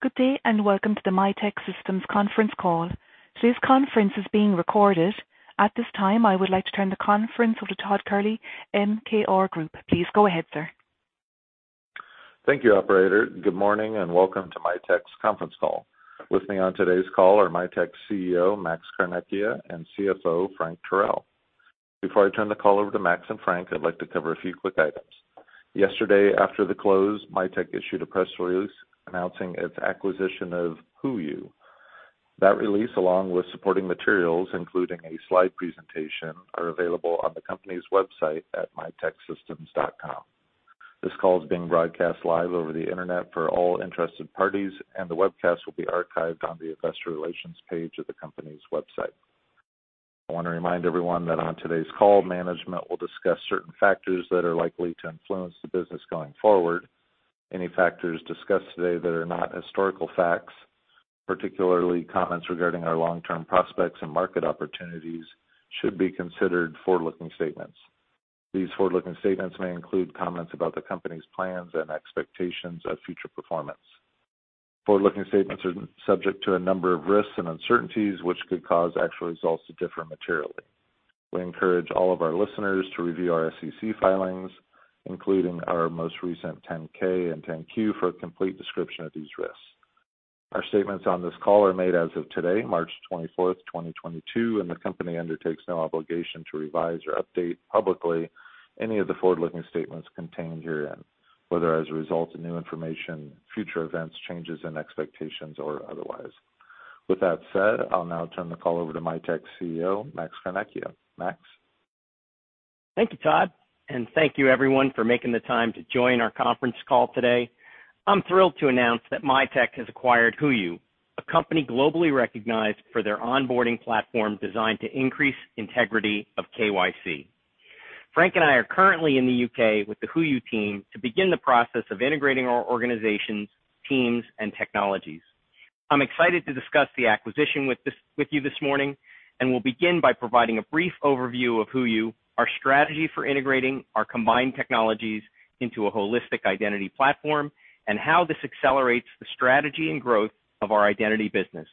Good day, and welcome to the Mitek Systems conference call. Today's conference is being recorded. At this time, I would like to turn the conference over to Todd Kehrli, MKR Group. Please go ahead, sir. Thank you, operator. Good morning, and welcome to Mitek's conference call. With me on today's call are Mitek's Chief Executive Officer, Max Carnecchia, and Chief Financial Officer, Frank Teruel. Before I turn the call over to Max and Frank, I'd like to cover a few quick items. Yesterday, after the close, Mitek issued a press release announcing its acquisition of HooYu. That release, along with supporting materials, including a slide presentation, are available on the company's website at miteksystems.com. This call is being broadcast live over the Internet for all interested parties, and the webcast will be archived on the investor relations page of the company's website. I want to remind everyone that on today's call, management will discuss certain factors that are likely to influence the business going forward. Any factors discussed today that are not historical facts, particularly comments regarding our long-term prospects and market opportunities, should be considered forward-looking statements. These forward-looking statements may include comments about the company's plans and expectations of future performance. Forward-looking statements are subject to a number of risks and uncertainties, which could cause actual results to differ materially. We encourage all of our listeners to review our SEC filings, including our most recent 10-K and 10-Q for a complete description of these risks. Our statements on this call are made as of today, March 24, 2022, and the company undertakes no obligation to revise or update publicly any of the forward-looking statements contained herein, whether as a result of new information, future events, changes in expectations, or otherwise. With that said, I'll now turn the call over to Mitek's Chief Executive Officer, Max Carnecchia. Max. Thank you, Todd, and thank you everyone for making the time to join our conference call today. I'm thrilled to announce that Mitek has acquired HooYu, a company globally recognized for their onboarding platform designed to increase integrity of KYC. Frank and I are currently in the U.K. with the HooYu team to begin the process of integrating our organizations, teams, and technologies. I'm excited to discuss the acquisition with you this morning, and we'll begin by providing a brief overview of HooYu, our strategy for integrating our combined technologies into a holistic identity platform, and how this accelerates the strategy and growth of our identity business.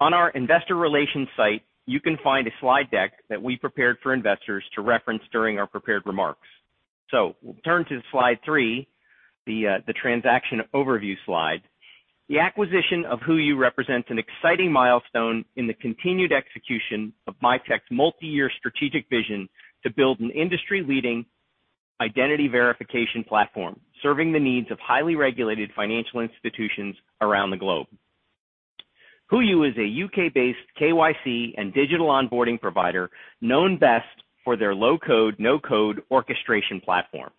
On our investor relations site, you can find a slide deck that we prepared for investors to reference during our prepared remarks. We'll turn to slide three, the transaction overview slide. The acquisition of HooYu represents an exciting milestone in the continued execution of Mitek's multi-year strategic vision to build an industry-leading identity verification platform, serving the needs of highly regulated financial institutions around the globe. HooYu is a U.K. Based KYC and digital onboarding provider known best for their low-code, no-code orchestration platform.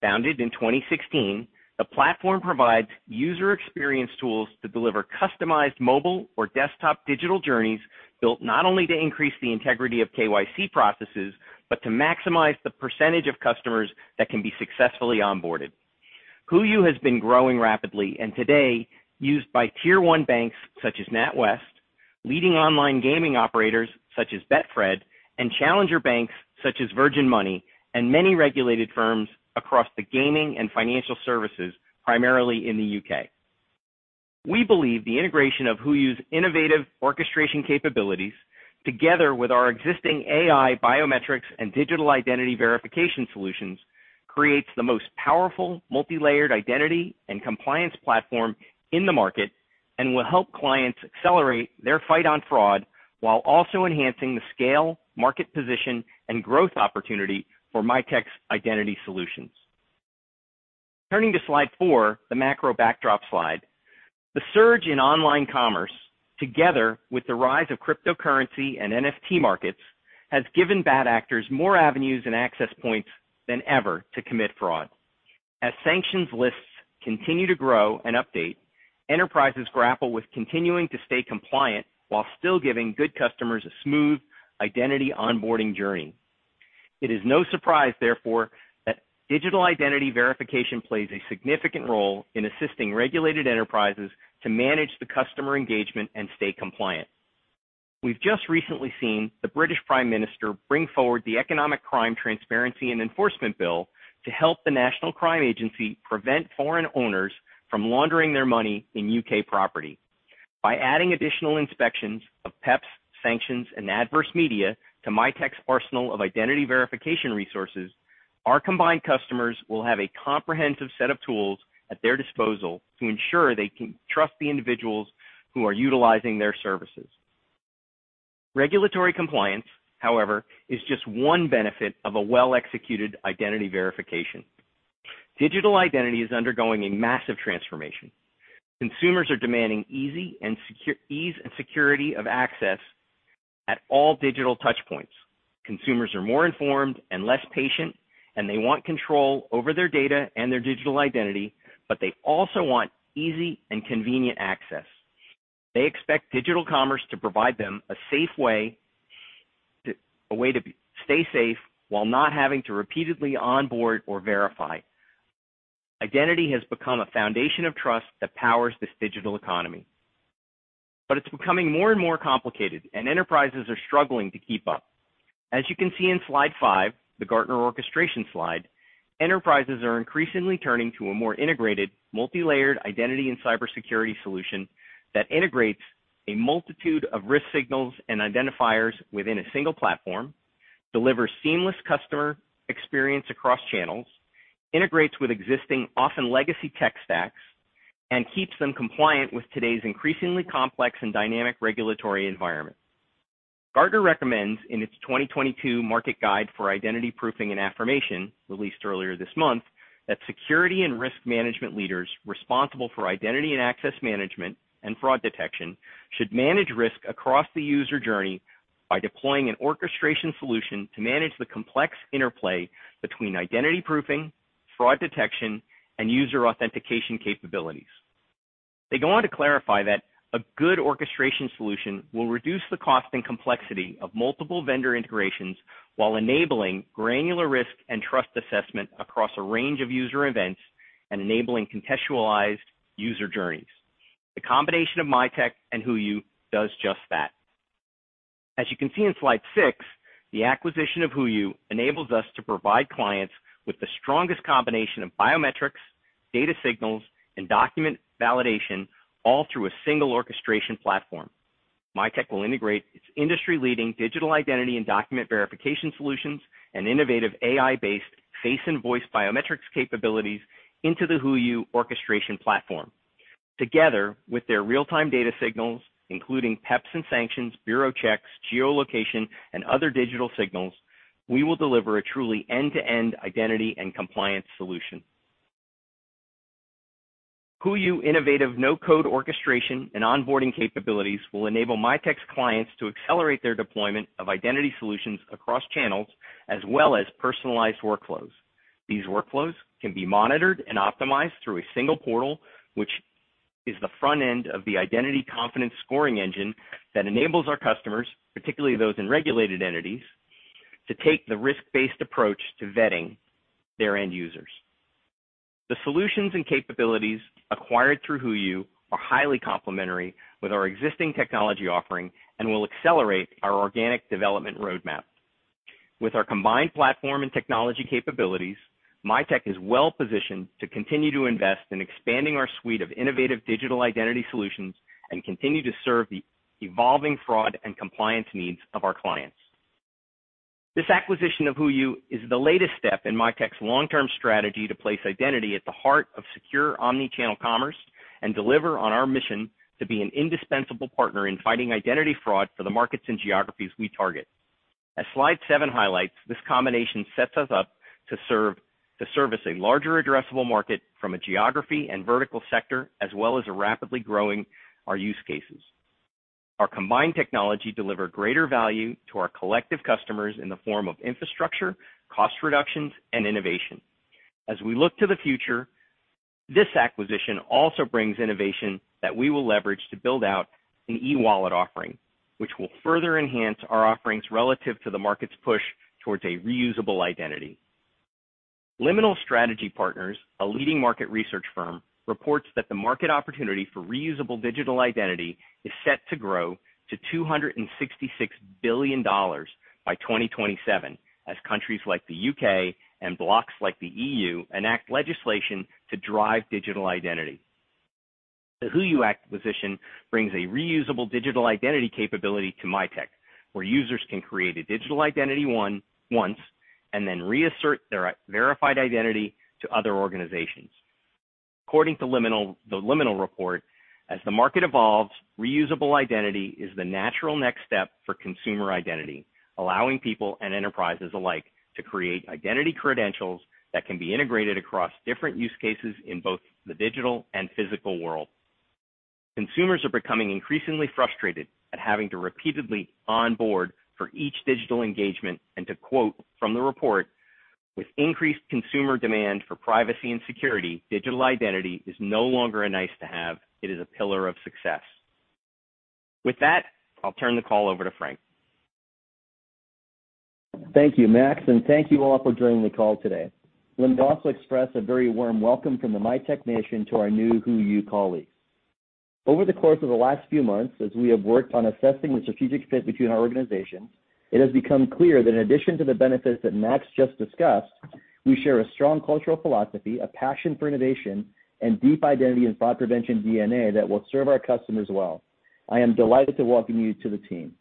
Founded in 2016, the platform provides user experience tools to deliver customized mobile or desktop digital journeys built not only to increase the integrity of KYC processes, but to maximize the percentage of customers that can be successfully onboarded. HooYu has been growing rapidly, and is today used by tier one banks such as NatWest, leading online gaming operators such as Betfred, and challenger banks such as Virgin Money, and many regulated firms across the gaming and financial services, primarily in the U.K. We believe the integration of HooYu's innovative orchestration capabilities, together with our existing AI biometrics and digital identity verification solutions, creates the most powerful multilayered identity and compliance platform in the market and will help clients accelerate their fight on fraud while also enhancing the scale, market position, and growth opportunity for Mitek's identity solutions. Turning to slide four, the macro backdrop slide. The surge in online commerce, together with the rise of cryptocurrency and NFT markets, has given bad actors more avenues and access points than ever to commit fraud. As sanctions lists continue to grow and update, enterprises grapple with continuing to stay compliant while still giving good customers a smooth identity onboarding journey. It is no surprise, therefore, that digital identity verification plays a significant role in assisting regulated enterprises to manage the customer engagement and stay compliant. We've just recently seen the British Prime Minister bring forward the Economic Crime Transparency and Enforcement Bill to help the National Crime Agency prevent foreign owners from laundering their money in U.K. property. By adding additional inspections of PEPs, sanctions, and adverse media to Mitek's arsenal of identity verification resources, our combined customers will have a comprehensive set of tools at their disposal to ensure they can trust the individuals who are utilizing their services. Regulatory compliance, however, is just one benefit of a well-executed identity verification. Digital identity is undergoing a massive transformation. Consumers are demanding ease and security of access at all digital touchpoints. Consumers are more informed and less patient, and they want control over their data and their digital identity, but they also want easy and convenient access. They expect digital commerce to provide them a safe way to stay safe while not having to repeatedly onboard or verify. Identity has become a foundation of trust that powers this digital economy. It's becoming more and more complicated, and enterprises are struggling to keep up. As you can see in slide five, the Gartner orchestration slide, enterprises are increasingly turning to a more integrated, multilayered identity and cybersecurity solution that integrates a multitude of risk signals and identifiers within a single platform, delivers seamless customer experience across channels, integrates with existing, often legacy tech stacks, and keeps them compliant with today's increasingly complex and dynamic regulatory environment. Gartner recommends in its 2022 Market Guide for Identity Proofing and Affirmation, released earlier this month, that security and risk management leaders responsible for identity and access management and fraud detection should manage risk across the user journey by deploying an orchestration solution to manage the complex interplay between identity proofing, fraud detection, and user authentication capabilities. They go on to clarify that a good orchestration solution will reduce the cost and complexity of multiple vendor integrations while enabling granular risk and trust assessment across a range of user events and enabling contextualized user journeys. The combination of Mitek and HooYu does just that. As you can see in slide six, the acquisition of HooYu enables us to provide clients with the strongest combination of biometrics, data signals, and document validation all through a single orchestration platform. Mitek will integrate its industry-leading digital identity and document verification solutions and innovative AI-based face and voice biometrics capabilities into the HooYu orchestration platform. Together with their real-time data signals, including PEPs and sanctions, bureau checks, geolocation, and other digital signals, we will deliver a truly end-to-end identity and compliance solution. HooYu innovative no-code orchestration and onboarding capabilities will enable Mitek's clients to accelerate their deployment of identity solutions across channels as well as personalized workflows. These workflows can be monitored and optimized through a single portal, which is the front end of the identity confidence scoring engine that enables our customers, particularly those in regulated entities, to take the risk-based approach to vetting their end users. The solutions and capabilities acquired through HooYu are highly complementary with our existing technology offering and will accelerate our organic development roadmap. With our combined platform and technology capabilities, Mitek is well positioned to continue to invest in expanding our suite of innovative digital identity solutions and continue to serve the evolving fraud and compliance needs of our clients. This acquisition of HooYu is the latest step in Mitek's long-term strategy to place identity at the heart of secure omni-channel commerce and deliver on our mission to be an indispensable partner in fighting identity fraud for the markets and geographies we target. As slide seven highlights, this combination sets us up to service a larger addressable market from a geography and vertical sector, as well as rapidly growing our use cases. Our combined technology deliver greater value to our collective customers in the form of infrastructure, cost reductions, and innovation. As we look to the future, this acquisition also brings innovation that we will leverage to build out an e-wallet offering, which will further enhance our offerings relative to the market's push towards a reusable identity. Liminal Strategy Partners, a leading market research firm, reports that the market opportunity for reusable digital identity is set to grow to $266 billion by 2027 as countries like the U.K. and blocs like the EU enact legislation to drive digital identity. The HooYu acquisition brings a reusable digital identity capability to Mitek, where users can create a digital identity once and then reassert their verified identity to other organizations. According to Liminal, the Liminal report, as the market evolves, reusable identity is the natural next step for consumer identity, allowing people and enterprises alike to create identity credentials that can be integrated across different use cases in both the digital and physical world. Consumers are becoming increasingly frustrated at having to repeatedly onboard for each digital engagement, and to quote from the report, "With increased consumer demand for privacy and security, digital identity is no longer a nice-to-have. It is a pillar of success." With that, I'll turn the call over to Frank. Thank you, Max, and thank you all for joining the call today. Let me also express a very warm welcome from the Mitek nation to our new HooYu colleagues. Over the course of the last few months, as we have worked on assessing the strategic fit between our organizations, it has become clear that in addition to the benefits that Max just discussed, we share a strong cultural philosophy, a passion for innovation, and deep identity and fraud prevention DNA that will serve our customers well. I am delighted to welcome you to the team.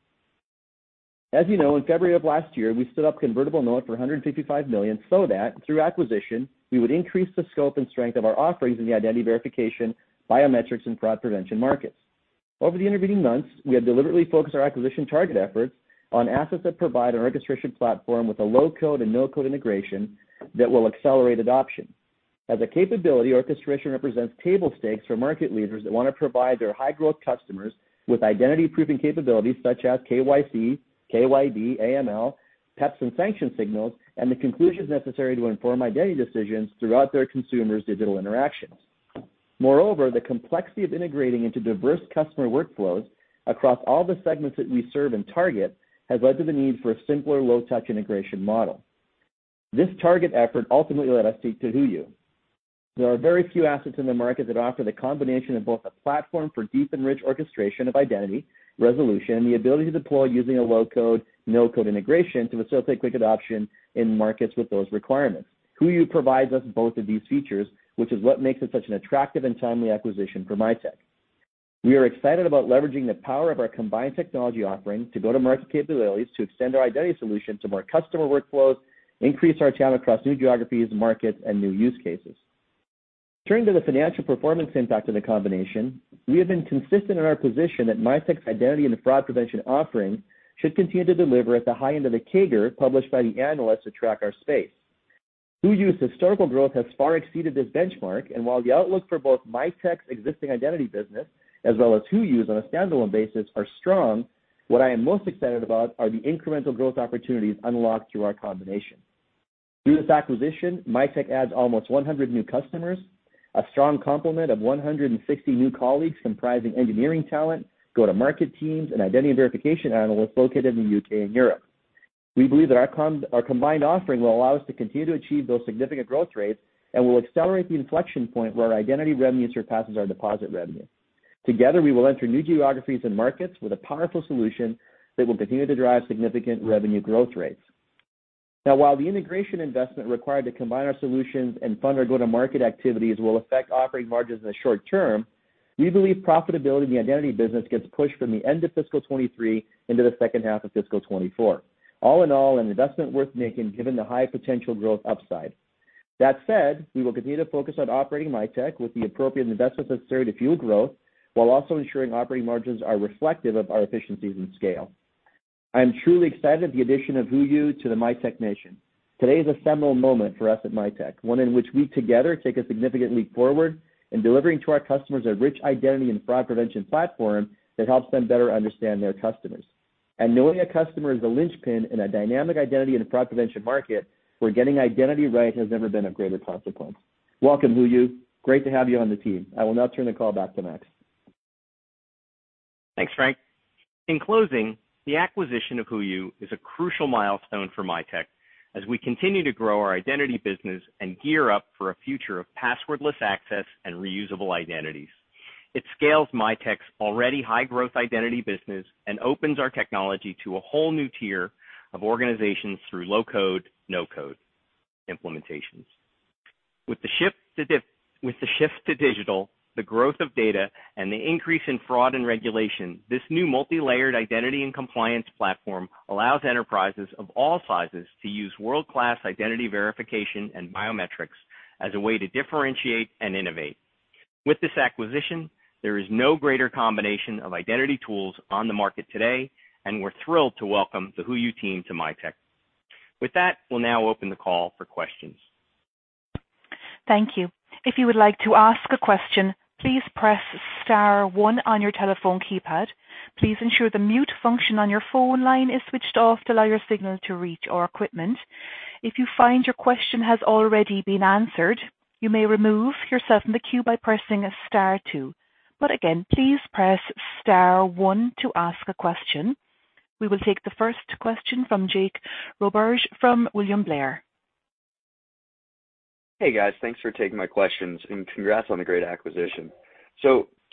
As you know, in February of last year, we stood up convertible note for $155 million so that through acquisition, we would increase the scope and strength of our offerings in the identity verification, biometrics, and fraud prevention markets. Over the intervening months, we have deliberately focused our acquisition target efforts on assets that provide an orchestration platform with a low-code and no-code integration that will accelerate adoption. As a capability, orchestration represents table stakes for market leaders that want to provide their high-growth customers with identity proofing capabilities such as KYC, KYB, AML, PEPs and sanctions signals, and the conclusions necessary to inform identity decisions throughout their consumers' digital interactions. Moreover, the complexity of integrating into diverse customer workflows across all the segments that we serve and target has led to the need for a simpler low-touch integration model. This target effort ultimately led us to HooYu. There are very few assets in the market that offer the combination of both a platform for deep and rich orchestration of identity resolution and the ability to deploy using a low-code, no-code integration to facilitate quick adoption in markets with those requirements. HooYu provides us both of these features, which is what makes it such an attractive and timely acquisition for Mitek. We are excited about leveraging the power of our combined technology offerings to go-to-market capabilities to extend our identity solution to more customer workflows, increase our channel across new geographies, markets, and new use cases. Turning to the financial performance impact of the combination, we have been consistent in our position that Mitek's identity and fraud prevention offering should continue to deliver at the high end of the CAGR published by the analysts to track our space. HooYu's historical growth has far exceeded this benchmark, and while the outlook for both Mitek's existing identity business as well as HooYu's on a standalone basis are strong, what I am most excited about are the incremental growth opportunities unlocked through our combination. Through this acquisition, Mitek adds almost 100 new customers, a strong complement of 160 new colleagues comprising engineering talent, go-to-market teams, and identity verification analysts located in the U.K. and Europe. We believe that our combined offering will allow us to continue to achieve those significant growth rates and will accelerate the inflection point where our identity revenue surpasses our deposit revenue. Together, we will enter new geographies and markets with a powerful solution that will continue to drive significant revenue growth rates. Now, while the integration investment required to combine our solutions and fund our go-to-market activities will affect operating margins in the short term, we believe profitability in the identity business gets pushed from the end of fiscal 2023 into the second half of fiscal 2024. All in all, an investment worth making given the high potential growth upside. That said, we will continue to focus on operating Mitek with the appropriate investments necessary to fuel growth while also ensuring operating margins are reflective of our efficiencies and scale. I'm truly excited at the addition of HooYu to the Mitek nation. Today is a seminal moment for us at Mitek, one in which we together take a significant leap forward in delivering to our customers a rich identity and fraud prevention platform that helps them better understand their customers. Knowing a customer is a linchpin in a dynamic identity and fraud prevention market where getting identity right has never been of greater consequence. Welcome, HooYu. Great to have you on the team. I will now turn the call back to Max. Thanks, Frank. In closing, the acquisition of HooYu is a crucial milestone for Mitek as we continue to grow our identity business and gear up for a future of passwordless access and reusable identities. It scales Mitek's already high-growth identity business and opens our technology to a whole new tier of organizations through low-code, no-code implementations. With the shift to digital, the growth of data and the increase in fraud and regulation, this new multi-layered identity and compliance platform allows enterprises of all sizes to use world-class identity verification and biometrics as a way to differentiate and innovate. With this acquisition, there is no greater combination of identity tools on the market today, and we're thrilled to welcome the HooYu team to Mitek. With that, we'll now open the call for questions. Thank you. If you would like to ask a question, please press star one on your telephone keypad. Please ensure the mute function on your phone line is switched off to allow your signal to reach our equipment. If you find your question has already been answered, you may remove yourself from the queue by pressing star two. Again, please press star one to ask a question. We will take the first question from Jake Roberge from William Blair. Hey, guys. Thanks for taking my questions and congrats on the great acquisition.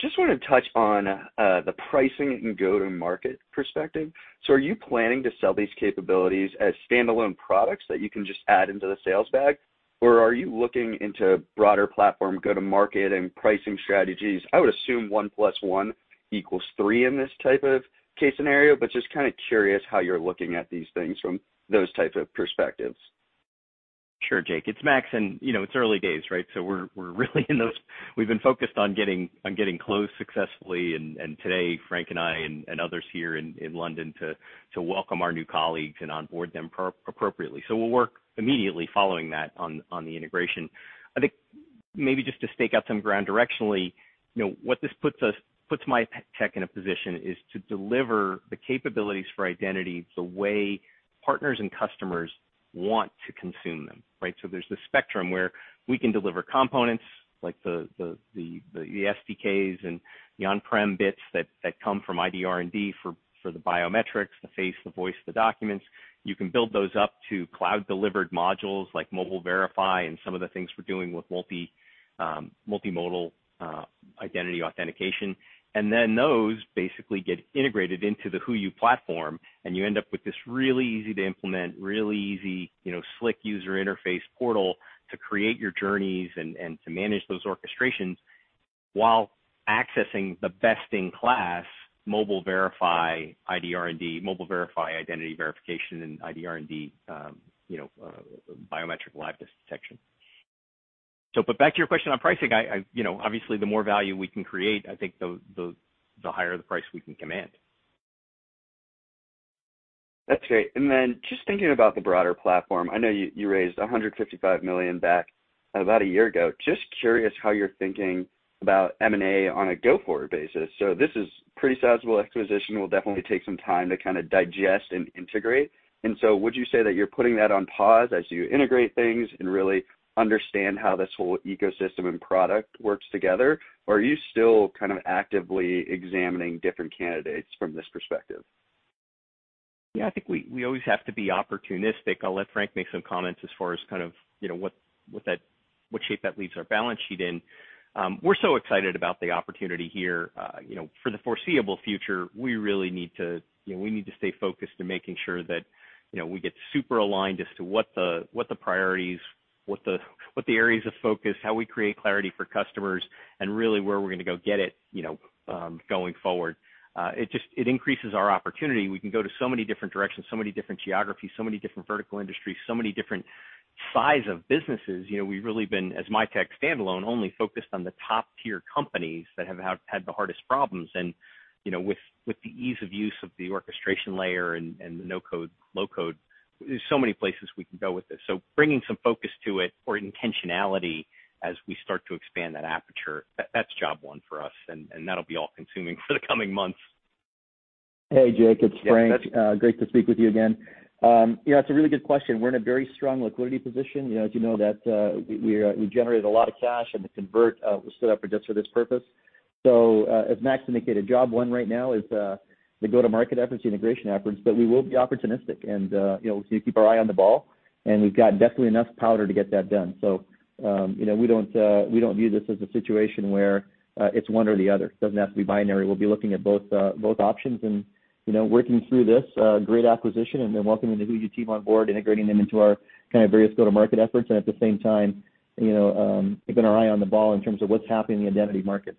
Just want to touch on the pricing and go-to-market perspective. Are you planning to sell these capabilities as standalone products that you can just add into the sales bag? Or are you looking into broader platform go-to-market and pricing strategies? I would assume one plus one equals three in this type of case scenario, but just kind of curious how you're looking at these things from those type of perspectives. Sure, Jake. It's Max, and you know it's early days, right? We're really in those we've been focused on getting closed successfully and today Frank and I and others here in London to welcome our new colleagues and onboard them appropriately. We'll work immediately following that on the integration. I think maybe just to stake out some ground directionally, you know what this puts Mitek in a position is to deliver the capabilities for identity the way partners and customers want to consume them, right? There's this spectrum where we can deliver components like the SDKs and the on-prem bits that come from ID R&D for the biometrics, the face, the voice, the documents. You can build those up to cloud-delivered modules like Mobile Verify and some of the things we're doing with multimodal identity authentication. Those basically get integrated into the HooYu platform, and you end up with this really easy-to-implement, really easy, you know, slick user interface portal to create your journeys and to manage those orchestrations while accessing the best-in-class Mobile Verify, ID R&D, Mobile Verify identity verification and ID R&D, you know, biometric liveness detection. Back to your question on pricing, I, you know, obviously the more value we can create, I think the higher the price we can command. That's great. Then just thinking about the broader platform, I know you raised $155 million back about a year ago. Just curious how you're thinking about M&A on a go-forward basis. This is pretty sizable acquisition, will definitely take some time to kind of digest and integrate. Would you say that you're putting that on pause as you integrate things and really understand how this whole ecosystem and product works together? Are you still kind of actively examining different candidates from this perspective? Yeah, I think we always have to be opportunistic. I'll let Frank make some comments as far as kind of, you know, what shape that leaves our balance sheet in. We're so excited about the opportunity here. You know, for the foreseeable future, we really need to stay focused and making sure that we get super aligned as to what the priorities, what the areas of focus, how we create clarity for customers and really where we're gonna go get it, you know, going forward. It just increases our opportunity. We can go to so many different directions, so many different geographies, so many different vertical industries, so many different size of businesses. You know, we've really been, as Mitek standalone, only focused on the top tier companies that had the hardest problems. You know, with the ease of use of the orchestration layer and the no-code, low-code, there's so many places we can go with this. Bringing some focus to it or intentionality as we start to expand that aperture, that's job one for us, and that'll be all consuming for the coming months. Hey, Jake, it's Frank. Yeah. Great to speak with you again. Yeah, it's a really good question. We're in a very strong liquidity position. You know, as you know, that we generated a lot of cash and the convertible note was set up just for this purpose. As Max indicated, job one right now is the go-to-market efforts, the integration efforts. But we will be opportunistic and you know, so you keep our eye on the ball, and we've got definitely enough powder to get that done. You know, we don't view this as a situation where it's one or the other. It doesn't have to be binary. We'll be looking at both options and, you know, working through this great acquisition and then welcoming the HooYu team on board, integrating them into our kind of various go-to-market efforts. At the same time, you know, keeping our eye on the ball in terms of what's happening in the identity market.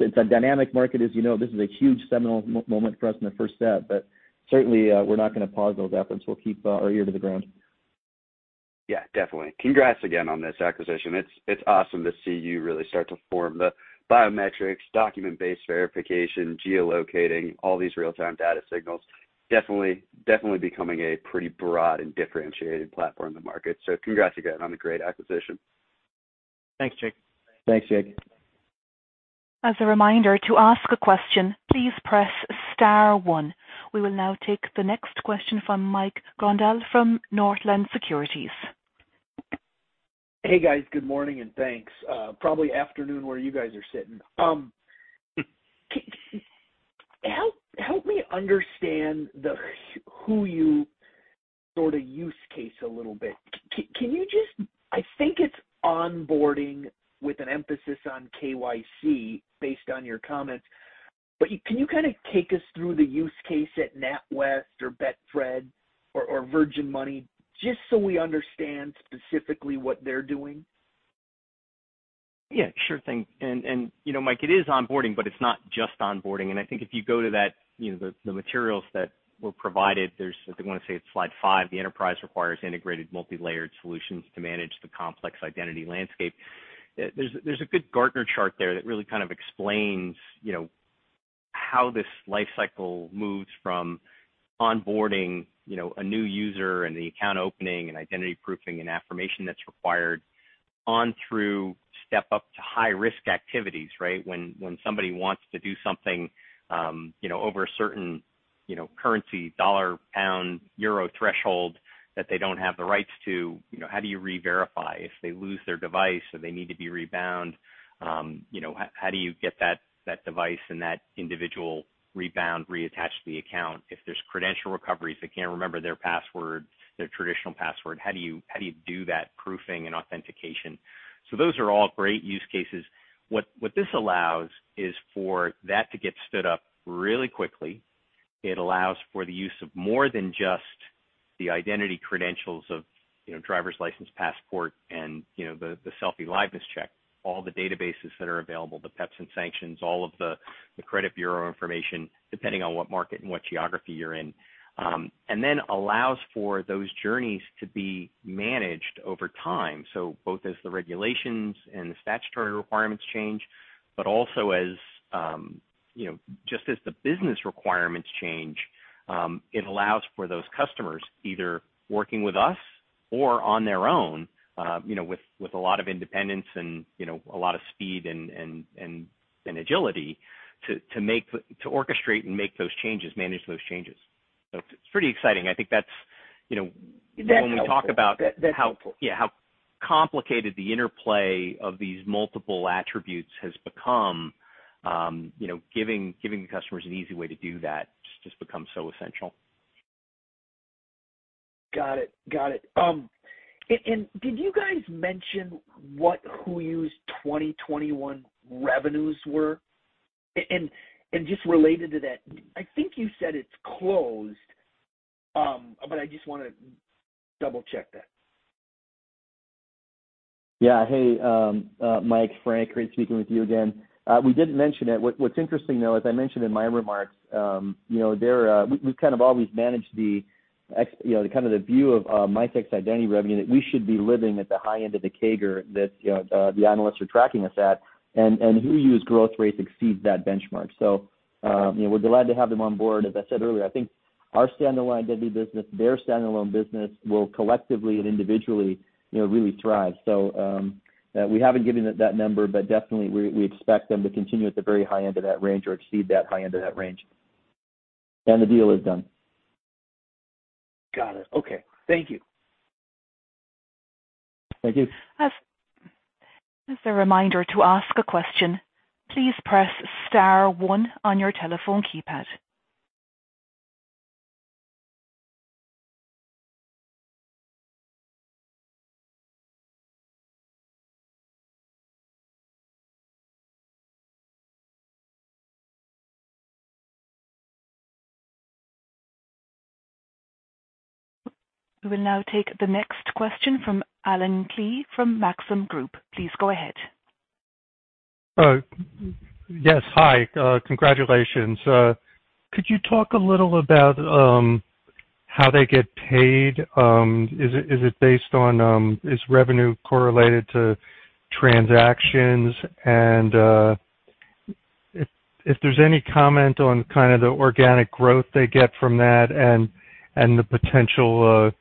It's a dynamic market as you know. This is a huge seminal moment for us in the first step, but certainly, we're not gonna pause those efforts. We'll keep our ear to the ground. Yeah, definitely. Congrats again on this acquisition. It's awesome to see you really start to form the biometrics, document-based verification, geo-locating all these real-time data signals. Definitely becoming a pretty broad and differentiated platform in the market. Congrats again on the great acquisition. Thanks, Jake. Thanks, Jake. As a reminder, to ask a question, please press star one. We will now take the next question from Mike Grondahl from Northland Securities. Hey, guys. Good morning, and thanks. Probably afternoon where you guys are sitting. Help me understand the HooYu sort of use case a little bit. I think it's onboarding with an emphasis on KYC based on your comments. Can you kinda take us through the use case at NatWest or Betfred or Virgin Money, just so we understand specifically what they're doing? Yeah, sure thing. You know, Mike, it is onboarding, but it's not just onboarding. I think if you go to that, you know, the materials that were provided, there's, I wanna say it's slide five, the enterprise requires integrated multi-layered solutions to manage the complex identity landscape. There's a good Gartner chart there that really kind of explains, you know, how this life cycle moves from onboarding, you know, a new user and the account opening and identity proofing and affirmation that's required on through step up to high-risk activities, right? Somebody wants to do something, you know, over a certain, you know, currency, dollar, pound, euro threshold that they don't have the rights to, you know, how do you re-verify? If they lose their device or they need to be rebound, you know, how do you get that device and that individual rebound reattached to the account? If there's credential recovery, so they can't remember their password, their traditional password, how do you do that proofing and authentication? Those are all great use cases. What this allows is for that to get stood up really quickly. It allows for the use of more than just the identity credentials of, you know, driver's license, passport and, you know, the selfie liveness check, all the databases that are available, the PEPs and sanctions, all of the credit bureau information, depending on what market and what geography you're in, and then allows for those journeys to be managed over time. Both as the regulations and the statutory requirements change, but also as, you know, just as the business requirements change, it allows for those customers either working with us or on their own, you know, with a lot of independence and, you know, a lot of speed and agility to orchestrate and make those changes, manage those changes. It's pretty exciting. I think that's, you know- That's helpful. When we talk about how, yeah, how complicated the interplay of these multiple attributes has become, you know, giving customers an easy way to do that just becomes so essential. Got it. Did you guys mention what HooYu's 2021 revenues were? Just related to that, I think you said it's closed, but I just wanna double-check that. Yeah. Hey, Mike, Frank. Great speaking with you again. We did mention it. What's interesting though, as I mentioned in my remarks, you know, we've kind of always managed you know, the kind of the view of Mitek's identity revenue that we should be living at the high end of the CAGR that you know the analysts are tracking us at. HooYu's growth rate exceeds that benchmark. You know, we're glad to have them on board. As I said earlier, I think our standalone identity business, their standalone business will collectively and individually, you know, really thrive. We haven't given that number, but definitely we expect them to continue at the very high end of that range or exceed that high end of that range. The deal is done. Got it. Okay. Thank you. Thank you. As a reminder to ask a question, please press star one on your telephone keypad. We will now take the next question from Allen Klee from Maxim Group. Please go ahead. Yes. Hi. Congratulations. Could you talk a little about how they get paid? Is it based on transactions? Is revenue correlated to transactions? If there's any comment on kind of the organic growth they get from that and the potential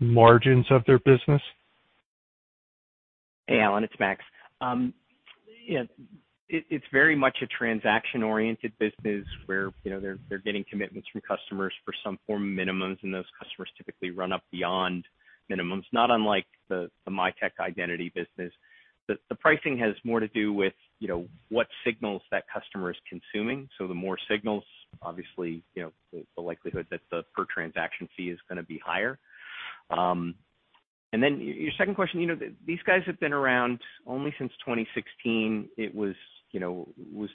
margins of their business. Hey, Allen, it's Max. It's very much a transaction-oriented business where, you know, they're getting commitments from customers for some form of minimums, and those customers typically run up beyond minimums, not unlike the Mitek identity business. The pricing has more to do with, you know, what signals that customer is consuming. So the more signals, obviously, you know, the likelihood that the per transaction fee is gonna be higher. And then your second question, you know, these guys have been around only since 2016. It was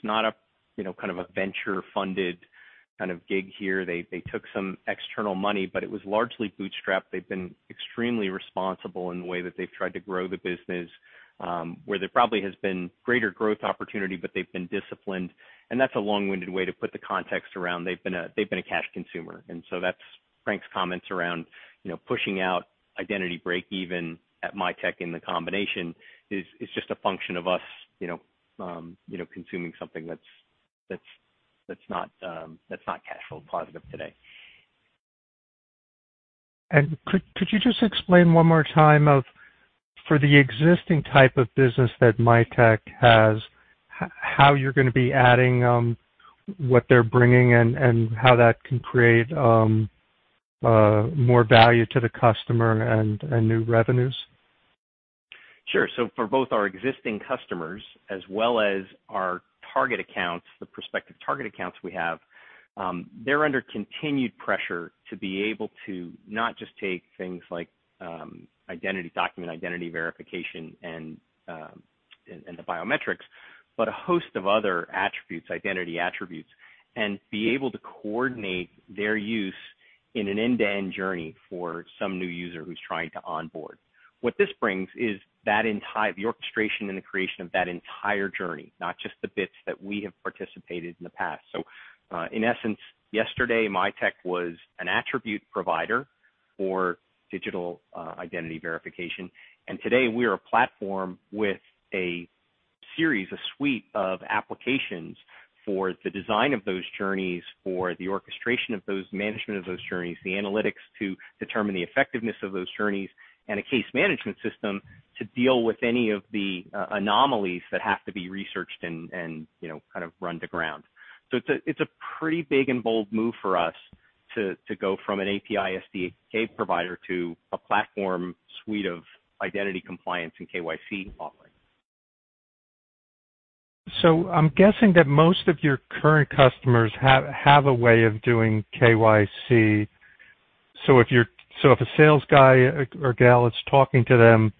not a kind of venture funded kind of gig here. They took some external money, but it was largely bootstrapped. They've been extremely responsible in the way that they've tried to grow the business, where there probably has been greater growth opportunity, but they've been disciplined. That's a long-winded way to put the context around they've been a cash consumer. That's Frank Teruel's comments around, you know, pushing out identity breakeven at Mitek in the combination is just a function of us, you know, consuming something that's not cash flow positive today. Could you just explain one more time for the existing type of business that Mitek has, how you're gonna be adding what they're bringing and how that can create more value to the customer and new revenues? Sure. For both our existing customers as well as our target accounts, the prospective target accounts we have, they're under continued pressure to be able to not just take things like identity document, identity verification and the biometrics, but a host of other attributes, identity attributes, and be able to coordinate their use in an end-to-end journey for some new user who's trying to onboard. What this brings is the orchestration and the creation of that entire journey, not just the bits that we have participated in the past. In essence, yesterday Mitek was an attribute provider for digital identity verification. Today we are a platform with a series, a suite of applications for the design of those journeys, for the orchestration of those, management of those journeys, the analytics to determine the effectiveness of those journeys, and a case management system to deal with any of the anomalies that have to be researched and you know kind of run to ground. It's a pretty big and bold move for us to go from an API SDK provider to a platform suite of identity compliance and KYC offering. I'm guessing that most of your current customers have a way of doing KYC. If a sales guy or girl is talking to them,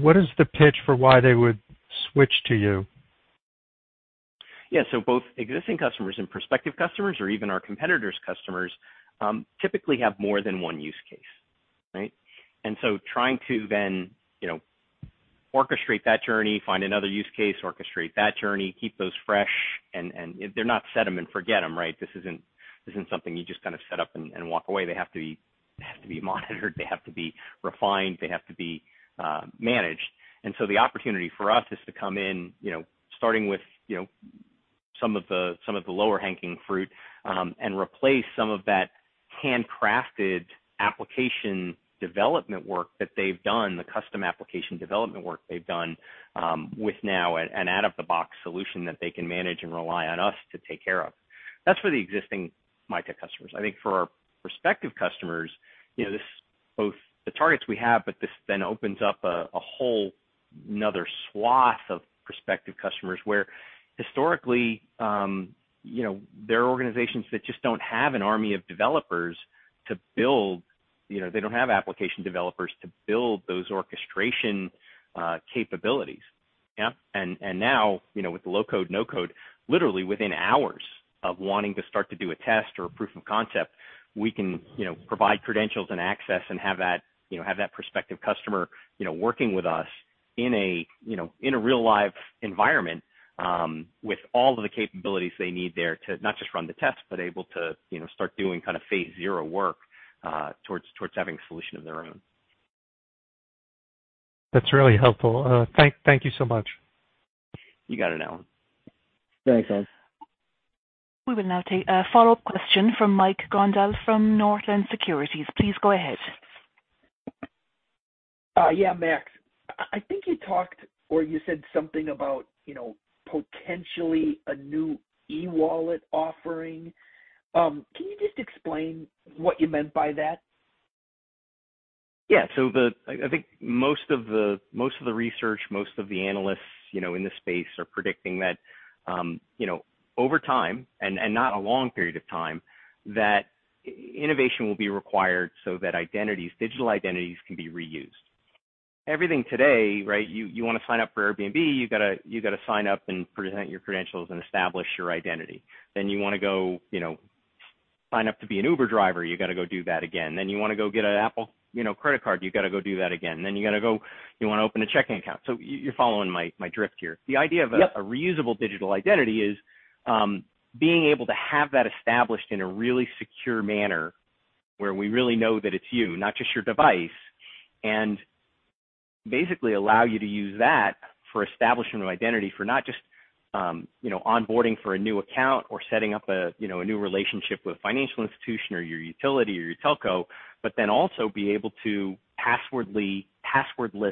what is the pitch for why they would switch to you? Yeah. Both existing customers and prospective customers or even our competitors' customers typically have more than one use case, right? Trying to then, you know, orchestrate that journey, find another use case, orchestrate that journey, keep those fresh and they're not set them and forget them, right? This isn't something you just kind of set up and walk away. They have to be monitored, they have to be refined, they have to be managed. The opportunity for us is to come in, you know, starting with some of the low-hanging fruit and replace some of that handcrafted application development work that they've done, the custom application development work they've done with now an out-of-the-box solution that they can manage and rely on us to take care of. That's for the existing Mitek customers. I think for our prospective customers, you know, this both the targets we have, but this then opens up a whole another swath of prospective customers where historically, you know, there are organizations that just don't have an army of developers to build, you know, they don't have application developers to build those orchestration capabilities. Yeah. Now, you know, with the low code, no code, literally within hours of wanting to start to do a test or a proof of concept, we can, you know, provide credentials and access and have that prospective customer, you know, working with us in a, you know, in a real live environment, with all of the capabilities they need there to not just run the test, but able to, you know, start doing kind of phase zero work, towards having a solution of their own. That's really helpful. Thank you so much. You got it, Allen. Thanks, Allen. We will now take a follow-up question from Mike Grondahl from Northland Securities. Please go ahead. Yeah, Max. I think you talked or you said something about, you know, potentially a new e-wallet offering. Can you just explain what you meant by that? I think most of the research, most of the analysts, you know, in this space are predicting that, over time and not a long period of time, that innovation will be required so that identities, digital identities can be reused. Everything today, right? You wanna sign up for Airbnb, you gotta sign up and present your credentials and establish your identity. Then you wanna go, you know, sign up to be an Uber driver, you gotta go do that again. Then you wanna go get an Apple, you know, credit card, you wanna go do that again. Then you gotta go. You wanna open a checking account. You're following my drift here. Yep. The idea of a reusable digital identity is being able to have that established in a really secure manner where we really know that it's you, not just your device. Basically allow you to use that for establishment of identity for not just, you know, onboarding for a new account or setting up a, you know, a new relationship with a financial institution or your utility or your telco, but then also be able to passwordless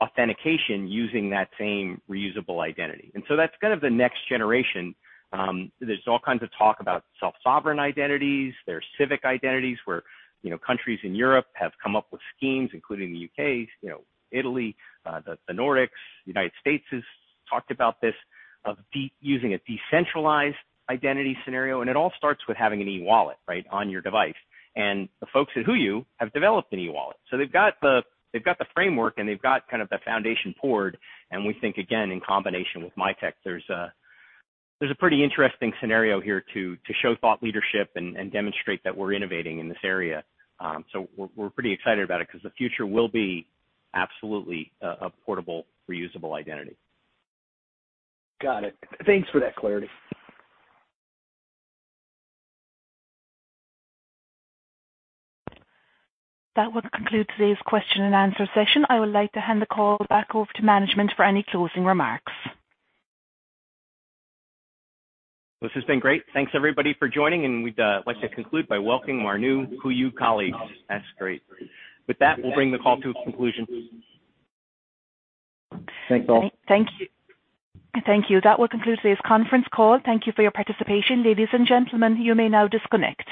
authentication using that same reusable identity. That's kind of the next generation. There's all kinds of talk about self-sovereign identities. There's civic identities, where, you know, countries in Europe have come up with schemes, including the UK, you know, Italy, the Nordics. United States has talked about this. using a decentralized identity scenario, and it all starts with having an e-wallet, right, on your device. The folks at HooYu have developed an e-wallet. They've got the framework, and they've got kind of the foundation poured. We think, again, in combination with Mitek, there's a pretty interesting scenario here to show thought leadership and demonstrate that we're innovating in this area. We're pretty excited about it 'cause the future will be absolutely a portable, reusable identity. Got it. Thanks for that clarity. That will conclude today's question and answer session. I would like to hand the call back over to management for any closing remarks. This has been great. Thanks, everybody, for joining. We'd like to conclude by welcoming our new HooYu colleagues. That's great. With that, we'll bring the call to a conclusion. Thanks all. Thank you. That will conclude today's conference call. Thank you for your participation. Ladies and gentlemen, you may now disconnect.